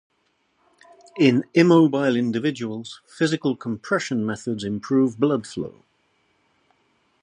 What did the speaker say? In immobile individuals, physical compression methods improve blood flow.